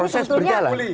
proses kan berjalan